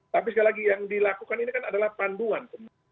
tapi sekali lagi yang dilakukan ini kan adalah panduan